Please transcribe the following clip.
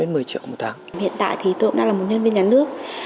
hiện tại thì tôi cũng đang là một nhân viên nhà nước